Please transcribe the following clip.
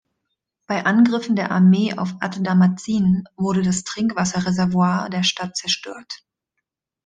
Bei Angriffen der Armee auf ad-Damazin wurde das Trinkwasserreservoir der Stadt zerstört.